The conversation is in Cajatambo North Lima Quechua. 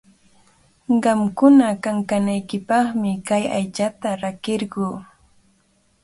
Qamkuna kankanaykipaqmi kay aychata rakirquu.